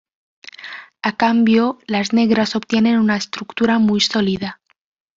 A cambio las negras obtienen una estructura muy sólida.